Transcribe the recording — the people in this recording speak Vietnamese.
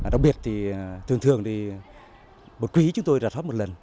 đặc biệt thì thường thường thì một quý chúng tôi rào thoát một lần